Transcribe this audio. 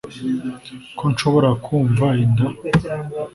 ko nshobora kumva inda